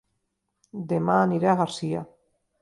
Dema aniré a Garcia